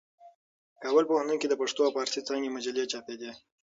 په کابل پوهنتون کې د پښتو او فارسي څانګې مجلې چاپېدې.